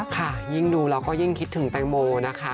ค่ะยิ่งดูแล้วก็ยิ่งคิดถึงแตงโมนะคะ